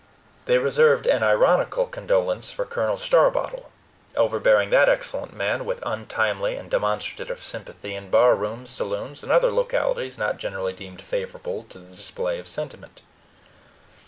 They reserved an ironical condolence for Colonel Starbottle, overbearing that excellent man with untimely and demonstrative sympathy in barrooms, saloons, and other localities not generally deemed favorable to the display of sentiment.